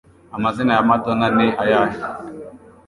Amazina ya Madonnas ni ayahe